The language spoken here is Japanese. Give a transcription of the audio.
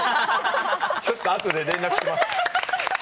ちょっとあとで連絡します。